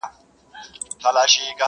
څارنوال او د قاضي که د بابا ده,